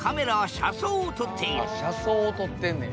車窓を撮ってんねや。